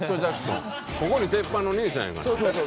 ここに鉄板の姉ちゃんやがな。